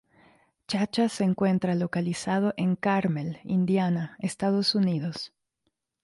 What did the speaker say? ChaCha se encuentra localizado en Carmel, Indiana, Estados Unidos.